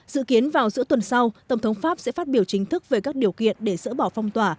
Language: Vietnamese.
dự kiến vào giữa tuần sau tổng thống pháp sẽ phát biểu chính thức về các điều kiện để dỡ bỏ phong tỏa